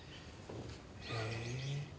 へえ。